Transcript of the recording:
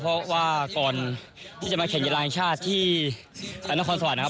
เพราะว่าก่อนที่จะมาแข่งเยือนราชชาติที่การทหารสวรรค์นะครับ